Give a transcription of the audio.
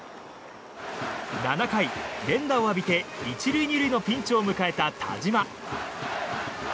７回、連打を浴びて１塁２塁のピンチを迎えた田嶋。